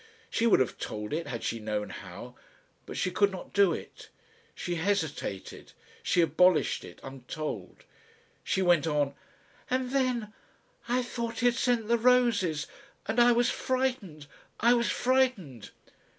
She would have told it had she known how. But she could not do it. She hesitated. She abolished it untold. She went on: "And then, I thought he had sent the roses and I was frightened ... I was frightened."